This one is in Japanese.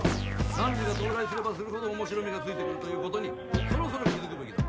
難事が到来すればするほど面白みがついてくるということにそろそろ気付くべきだ。